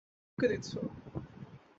তুমি তো চমকে দিচ্ছ।